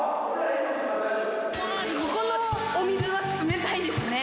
ここのお水は冷たいですね